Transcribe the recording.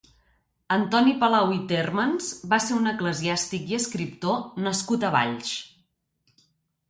Antoni Palau i Térmens va ser un eclesiàstic i escriptor nascut a Valls.